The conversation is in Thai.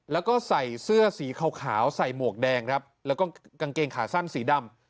แล้วก็ใส่เสื้อสีขาวใส่หมวกแดงครับแล้วก็กางเกงขาสั้นสีดำ